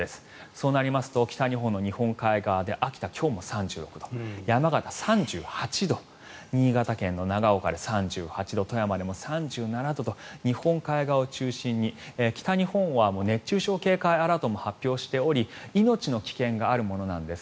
そうなりますと北日本の日本海側で秋田、今日も３６度山形、３８度新潟県の長岡で３８度富山でも３７度と日本海側を中心に北日本は熱中症警戒アラートも発表しており命の危険があるものなんです。